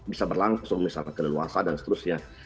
bisa berlangsung misalnya ke luas dan seterusnya